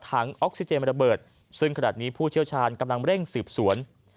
ออกซิเจนระเบิดซึ่งขณะนี้ผู้เชี่ยวชาญกำลังเร่งสืบสวน